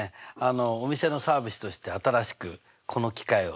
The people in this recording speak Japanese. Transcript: お店のサービスとして新しくこの機械を設置しました。